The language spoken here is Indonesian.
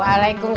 ayah mama kemana